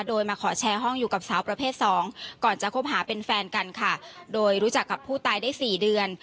โดยมาขอแชร์ห้องอยู่กับสาวประเภทสองก่อนจะคบหาเป็นแฟนกันค่ะโดยรู้จักกับผู้ตายได้สี่เดือน